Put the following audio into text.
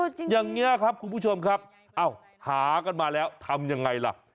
อย่างนี้ครับคุณผู้ชมครับอ้าวหากันมาแล้วทำยังไงล่ะ